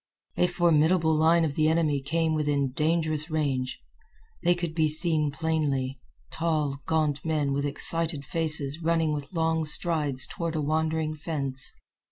A formidable line of the enemy came within dangerous range. They could be seen plainly—tall, gaunt men with excited faces running with long strides toward a wandering fence.